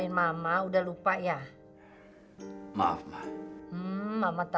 kamu lupa menghubungi mama ya